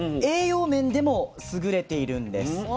栄養面でも優れているんです。